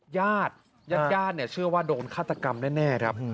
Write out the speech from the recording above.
ญาติญาติเนี่ยเชื่อว่าโดนฆาตกรรมแน่ครับ